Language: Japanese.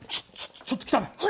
ちょっと来たまえ。